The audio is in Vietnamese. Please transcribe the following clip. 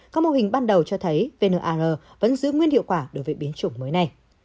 các mô hình ban đầu cho thấy vnr vẫn giữ nguyên hiệu quả đối với biến chủng mới này